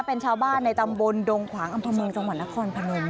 เป็นชาวบ้านในตำบลดงขวางอำเภอเมืองจังหวัดนครพนม